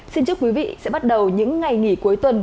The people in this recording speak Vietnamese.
xin chúc quý vị sẽ bắt đầu những ngày nghỉ cuối tuần